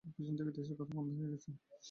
কিছুদিন থেকে দেশের কথা বন্ধ হয়ে গেছে।